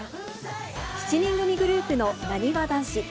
７人組グループのなにわ男子。